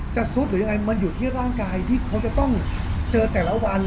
ซุดหรือยังไงมันอยู่ที่ร่างกายที่เขาจะต้องเจอแต่ละวัน